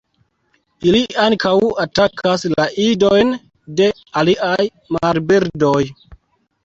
Ili ankaŭ atakas la idojn de aliaj marbirdoj.